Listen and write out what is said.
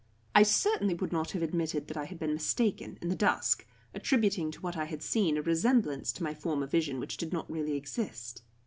I certainly would not have admitted that I had been mistaken in the dusk, attributing to what I had seen a resemblance to my former vision which did not really exist.